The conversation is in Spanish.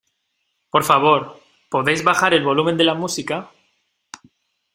Por favor, ¿podéis bajar el volumen de la música?